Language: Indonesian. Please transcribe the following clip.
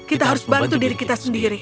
kita harus bantu diri kita sendiri